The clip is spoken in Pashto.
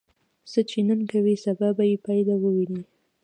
څه چې نن کوې، سبا به یې پایله ووینې.